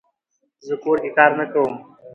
زه کور کې کار نه کووم